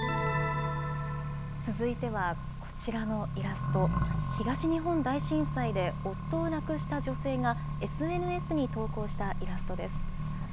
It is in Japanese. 続いてはこちらのイラスト、東日本大震災で夫を亡くした女性が、ＳＮＳに投稿したイラストです。